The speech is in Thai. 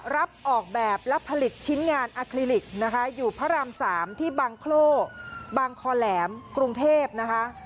ออกแบบและผลิตชิ้นงานอคลิลิกนะคะอยู่พระราม๓ที่บางโคร่บางคอแหลมกรุงเทพนะคะ